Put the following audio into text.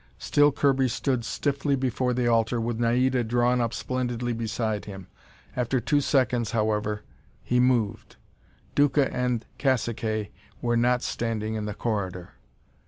Still Kirby stood stiffly before the altar, with Naida drawn up splendidly beside him. After two seconds, however, he moved. Duca and caciques were not standing in the corridor.